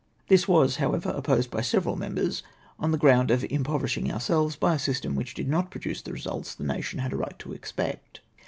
This w^as, however, opposed by several members, on the ground of im poverishing ourselves by a system which did not pro duce the results the nation had a right to expect.